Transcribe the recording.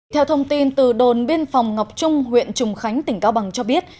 theo thông tin từ đồn biên phòng ngọc trung huyện trùng khánh tỉnh cao bằng cho biết